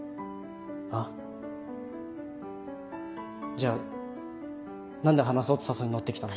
じゃあ何で話そうって誘いに乗ってきたんだよ。